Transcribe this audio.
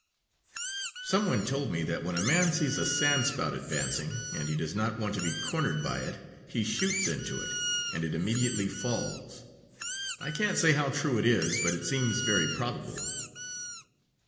Some one told me that when a man sees a sand spout advancing, and he does not want to be cornered by it, he shoots into it and it immediately falls. I can't say how true it is, but it seems very probable.